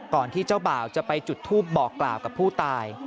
ที่เจ้าบ่าวจะไปจุดทูปบอกกล่าวกับผู้ตาย